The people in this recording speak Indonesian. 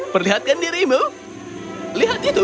perlihatkan dirimu lihat itu